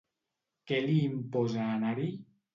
Què li imposa anar-hi?